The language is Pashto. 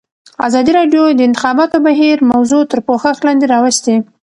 ازادي راډیو د د انتخاباتو بهیر موضوع تر پوښښ لاندې راوستې.